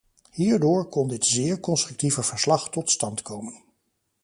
Hierdoor kon dit zeer constructieve verslag tot stand komen.